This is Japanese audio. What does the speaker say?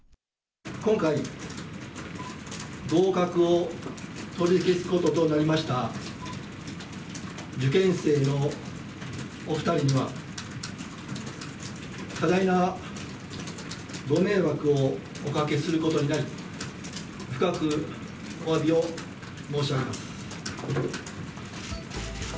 今回、合格を取り消すこととなりました受験生のお２人には、多大なご迷惑をおかけすることになり、深くおわびを申し上げます。